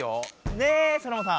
ねえソノマさん？